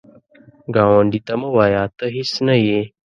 ګاونډي ته مه وایه “ته هیڅ نه یې”